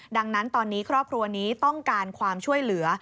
ดังนั้นตอนนี้ครอบครัวนี้ต้องการความช่วยเหลือ